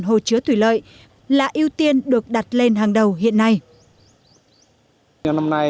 hồ chứa thủy lợi là ưu tiên được đặt lên hàng đầu hiện nay